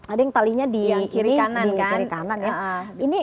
ada yang talinya di kiri kanan kanan